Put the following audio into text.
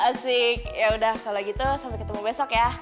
asyik yaudah kalau gitu sampai ketemu besok ya